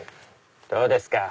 どうですか？